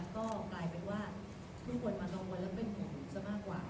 ก็กลายเป็นว่าทุกคนมากังวลแล้วเป็นห่วงซะมากกว่า